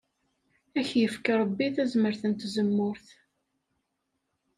Ad k-yefk Ṛebbi tazmart n tzemmurt.